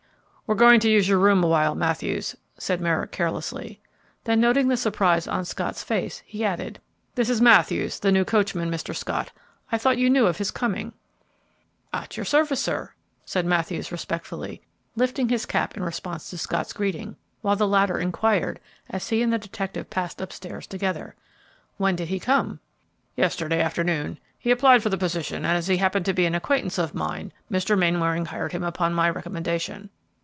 "We are going to use your room a while, Matthews," said Merrick, carelessly. Then, noting the surprise on Scott's face, he added, "This is Matthews, the new coachman, Mr. Scott. I thought you knew of his coming." "At your service, sir," said Matthews, respectfully lifting his cap in response to Scott's greeting, while the latter inquired, as he and the detective passed up stairs together, "When did he come?" "Yesterday afternoon. He applied for the position, and, as he happened to be an acquaintance of mine, Mr. Mainwaring hired him upon my recommendation.